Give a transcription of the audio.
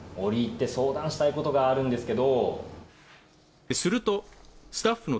折り入って相談したいことがあるんですけど。